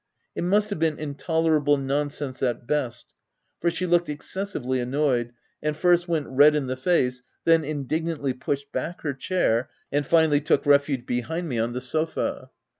It must have been intolerable nonsense at best, for she looked excessively annoyed, and first went red in the face, then indignantly pushed back her chair, and finally took refuge behind me on the sofa.